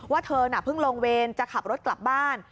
เธอน่ะเพิ่งลงเวรจะขับรถกลับบ้าน